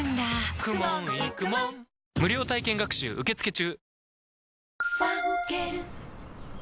無料体験学習受付中！女性）